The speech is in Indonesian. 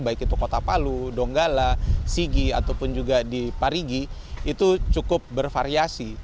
baik itu kota palu donggala sigi ataupun juga di parigi itu cukup bervariasi